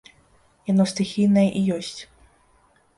Яно стыхійнае і ёсць.